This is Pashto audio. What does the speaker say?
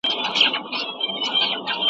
چکر وهل ګټه لري.